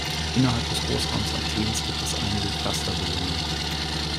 Innerhalb des Großraums Athens gibt es einige Cluster-Bildungen.